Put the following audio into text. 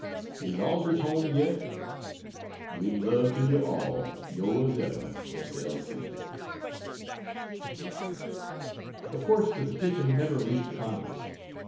Is Aldrich home yet? With love to you all Yrs ever, S. L. C. Of course the petition never reached Congress.